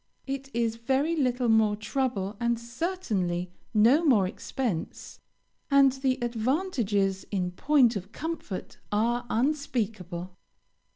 It is very little more trouble, and certainly no more expense; and the advantages in point of comfort are unspeakable.